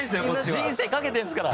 人生懸けてるんですから。